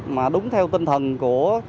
mà đúng theo tinh thần của